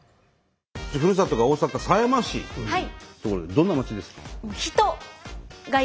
ふるさとが大阪狭山市という所でどんな町ですか？